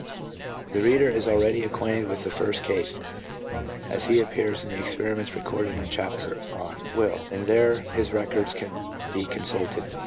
The reader is already acquainted with the first case, as he appears in the experiments recorded in the chapter on "Will," and there his records can be consulted.